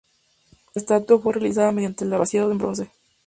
La estatua fue realizada mediante el vaciado en bronce.